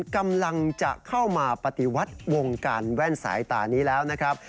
กำลังจะเข้ามาปฏิวัติวงการแว่นสายตานี้แล้วนะครับ